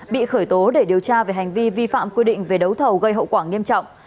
bị khởi tố để điều tra về hành vi vi phạm quy định về đấu thầu gây hậu quả nghiêm trọng